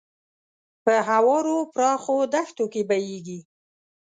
په هوارو پراخو دښتو کې بهیږي.